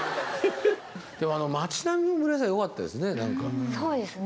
でもあの町並み村井さん良かったですね。